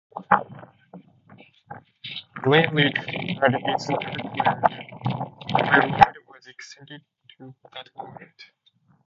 Greenridge had its start when the railroad was extended to that point.